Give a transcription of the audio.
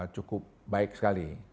cukup baik sekali